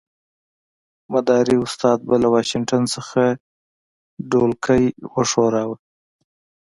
مداري استاد به له واشنګټن څخه ډولکی وښوراوه.